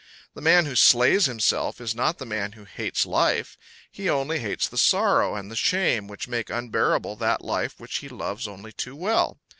The man who slays himself is not the man who hates life; he only hates the sorrow and the shame which make unbearable that life which he loves only too well.